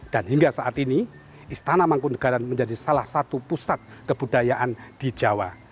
dan hingga saat ini istana mangkunegaran menjadi salah satu pusat kebudayaan di jawa